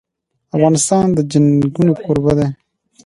افغانستان د چنګلونه کوربه دی.